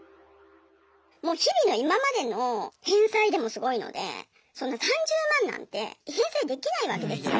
もう日々の今までの返済でもすごいのでそんな３０万なんて返済できないわけですよ。